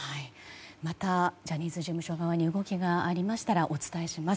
またジャニーズ事務所側に動きがありましたらお伝えします。